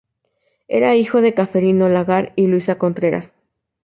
Era hijo de Ceferino Lagar y Luisa Contreras.